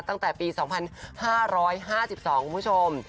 ตั้งแต่ปี๒๕๕๒คุณผู้ชม